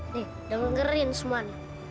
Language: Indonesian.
nih udah ngerin suman